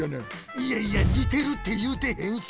いやいやにてるっていうてへんし！